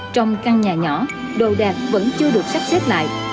trong căn nhà nhỏ đồ đạc vẫn chưa được sắp xếp lại